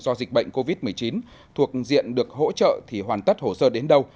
do dịch bệnh covid một mươi chín thuộc diện được hỗ trợ thì hoàn tất hồ sơ đến đâu